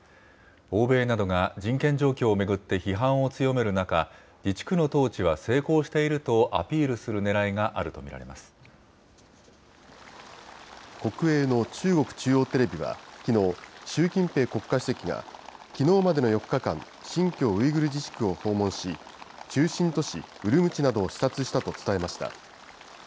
欧米などが人権状況を巡って批判を強める中、自治区の統治は成功しているとアピールするねらいが国営の中国中央テレビはきのう、習近平国家主席が、きのうまでの４日間、新疆ウイグル自治区を訪問し、中心都市ウルムチなどを視察したと伝えました。